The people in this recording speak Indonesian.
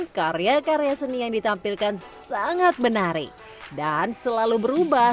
saat kami berkunjung karya seni yang ditampilkan adalah milik pasangan seniman filipina isabel dan alfredo acu bevoritas